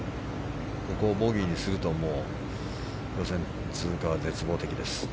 ここをボギーにするともう、予選通過は絶望的です。